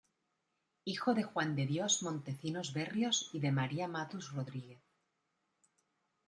Hijo de Juan de Dios Montecinos Berríos y de María Matus Rodríguez.